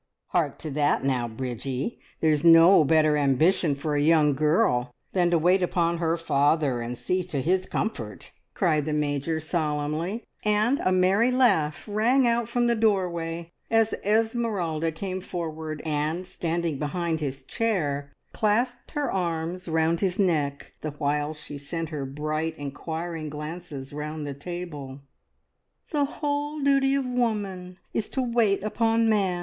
"Hark to that now, Bridgie! There's no better ambition for a young girl than to wait upon her father and see to his comfort!" cried the Major solemnly; and a merry laugh rang out from the doorway as Esmeralda came forward, and standing behind his chair, clasped her arms round his neck, the while she sent her bright, inquiring glances round the table. "The whole duty of woman is to wait upon man!